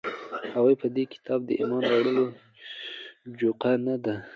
هغوى په دې كتاب د ايمان راوړلو جوگه نه دي،